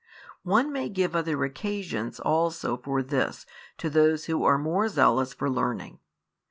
One may give other occasions also for this to those who are more zealous for learning.